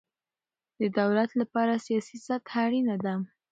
د دولت له پاره سیاسي سطحه اړینه ده.